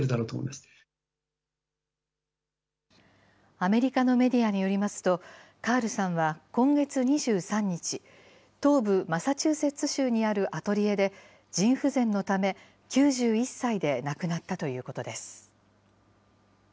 アメリカのメディアによりますと、カールさんは今月２３日、東部マサチューセッツ州にあるアトリエで腎不全のため９１歳で亡くなったということです。